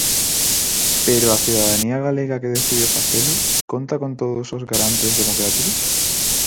Pero a cidadanía galega que decide facelo, conta con todos os garantes democráticos?